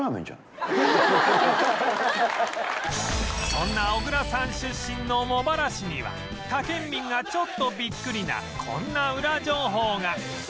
そんな小倉さん出身の茂原市には他県民がちょっとビックリなこんなウラ情報が